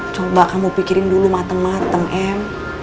coba kamu pikirin dulu matem matem em